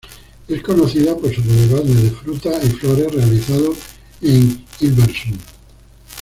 Es conocida por sus bodegones de fruta y flores realizados en Hilversum.